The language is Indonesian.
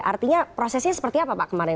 artinya prosesnya seperti apa pak kemarin